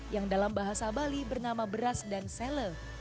yang dalam bahasa bali bernama beras dan sele